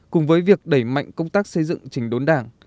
cùng với việc đẩy mạnh công tác xây dựng trình đốn đảng